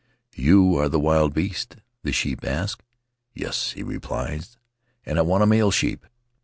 "You are the wild beast?" the sheep ask. "Yes," he replies, "and I want a male sheep."